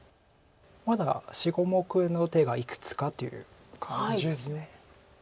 まだ４５目の手がいくつかという感じです。